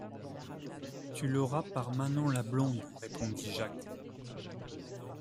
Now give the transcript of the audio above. Tu l’auras par Manon-la-Blonde, répondit Jacques.